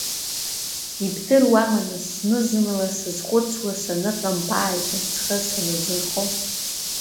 Ибдыруама, нас, зны-зынла сзызхәыцуа, саныҟам бааигәа, схы саназынхо?